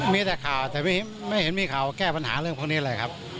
มีแต่ข่าวแต่ไม่เห็นมีข่าวแก้ปัญหาเรื่องพวกนี้เลยครับ